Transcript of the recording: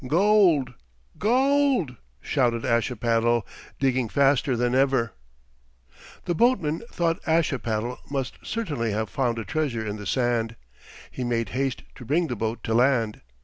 "Gold! Gold!" shouted Ashipattle, digging faster than ever. The boatman thought Ashipattle must certainly have found a treasure in the sand. He made haste to bring the boat to land.